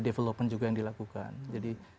development juga yang dilakukan jadi